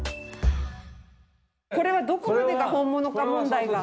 これはどこまでが本物か問題が。